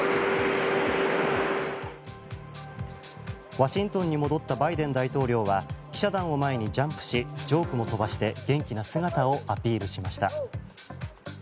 ワシントンに戻ったバイデン大統領は記者団を前にジャンプしジョークも飛ばして元気な姿をアピールしました。